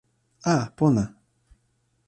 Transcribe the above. a, pona.